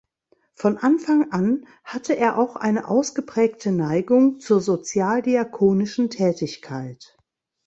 Von Anfang an hatte er auch eine ausgeprägte Neigung zur sozial-diakonischen Tätigkeit.